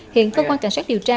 hiện cơ quan cảnh sát điều tra